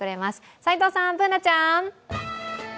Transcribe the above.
齋藤さん、Ｂｏｏｎａちゃん。